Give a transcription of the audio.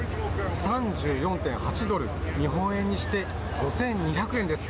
３４．８ドル、日本円にして５２００円です。